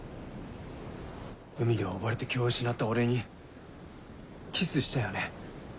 海で溺れて気を失った俺にキスしたよね？